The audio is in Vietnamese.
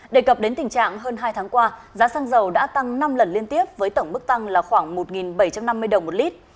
đề cập đến tình trạng hơn hai tháng qua giá xăng dầu đã tăng năm lần liên tiếp với tổng mức tăng là khoảng một bảy trăm năm mươi đồng một lít